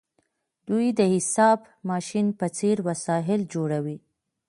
دوی د حساب ماشین په څیر وسایل جوړوي.